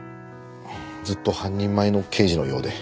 ずっと半人前の刑事のようで。